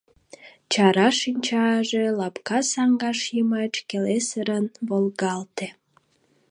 — Чара шинчаже лапка саҥгаж йымач келесырын волгалте.